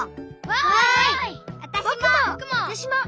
わたしも！